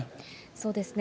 そうですね。